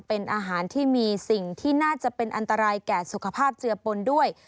เป็นอาหารที่มีสิ่งที่น่าจะเป็นอันตรายแก่สุขภาพเจือปนด้วย